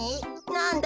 なんだ？